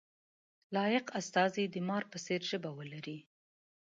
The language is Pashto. لایق استازی د مار په څېر ژبه ولري.